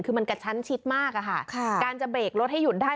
คือมันกระชั้นชิดมากอะค่ะการจะเบรกรถให้หยุดได้